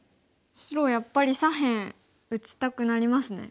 白はやっぱり左辺打ちたくなりますね。